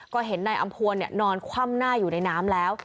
ก็เห็นนายอำพวนนอนคว่ำหน้าอยู่ในน้ำแล้ว